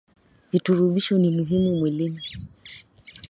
Virutubisho ni muhimu mwilini